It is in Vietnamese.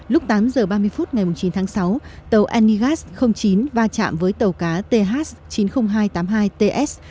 lúc tám giờ ba mươi phút ngày chín tháng sáu tàu anigas chín va chạm với tàu cá th chín mươi nghìn hai trăm tám mươi hai ts